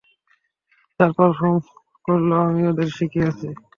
যারা পারফর্ম করলো, আমিই ওদের শিখিয়েছি।